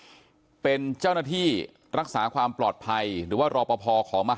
ทางรองศาสตร์อาจารย์ดรอคเตอร์อัตภสิตทานแก้วผู้ช่วยอธิการบดีฝ่ายสื่อสารองค์กรมหาวิทยาลัยธรรมศาสตร์นะครับ